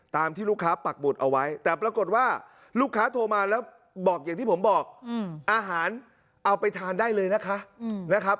ตามที่ลูกค้าปักหมุดเอาไว้แต่ปรากฏว่าลูกค้าโทรมาแล้วบอกอย่างที่ผมบอกอาหารเอาไปทานได้เลยนะคะ